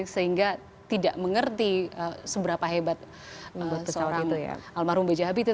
sehingga tidak mengerti seberapa hebat seorang almarhum bajab itu